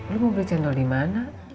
lu mau beli cendol dimana